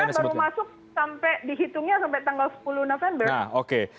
tentara baru masuk dihitungnya sampai tanggal sepuluh november